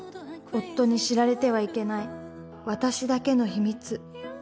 夫に知られてはいけない私だけの秘密。